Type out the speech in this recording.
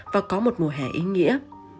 và có một mùa hè ý nghĩa